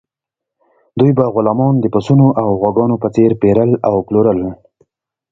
دوی به غلامان د پسونو او غواګانو په څیر پیرل او پلورل.